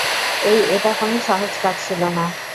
এই, এটা কোনো সহজ কাজ ছিল না।